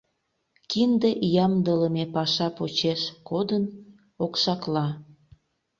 Кинде ямдылыме паша почеш кодын, окшакла.